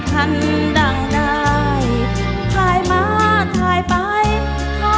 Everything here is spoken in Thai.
นางเดาเรืองหรือนางแววเดาสิ้นสดหมดสาวกลายเป็นขาวกลับมา